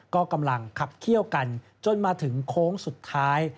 ก็กำลังขับเขี้ยวกันจนมาถึงโค้งสุดท้าย